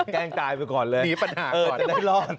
แกล้งตายไปก่อนเลยหนีปัญหาก่อนจะได้รอด